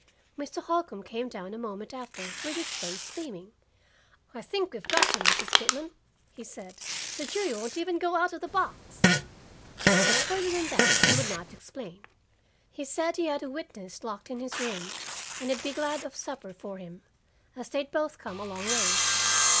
Mr. Holcombe came down a moment after, with his face beaming. "I think we've got him, Mrs. Pitman," he said. "The jury won't even go out of the box." But further than that he would not explain. He said he had a witness locked in his room, and he'd be glad of supper for him, as they'd both come a long ways.